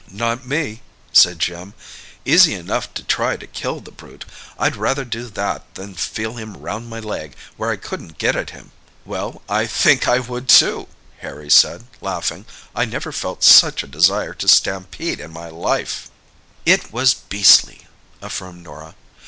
"Not me," said Jim. "Easy enough to try to kill the brute. I'd rather do that than feel him round my leg, where I couldn't get at him." "Well, I think I would, too," Harry said, laughing. "I never felt such a desire to stampede in my life." "It was beastly," affirmed Norah.